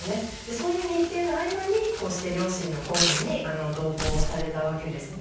そういう日程の合間にこうして両親の公務に同行されたわけです。